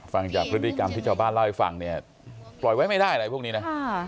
ฟังจากพฤติกรรมที่ชาวบ้านเล่าให้ฟังเนี่ยปล่อยไว้ไม่ได้อะไรพวกนี้นะ